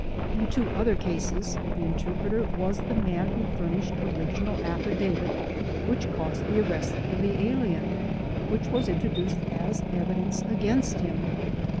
In two other cases the interpreter was the man who furnished original affidavit which caused the arrest of the alien, which was introduced as evidence against him (cf.